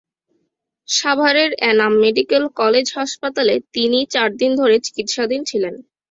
সাভারের Enam medical college হাসপাতালে তিনি চার দিন ধরে চিকিৎসাধীন ছিলেন।